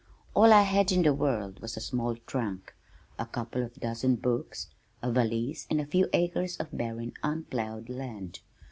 All I had in the world was a small trunk, a couple of dozen books, a valise and a few acres of barren unplowed land.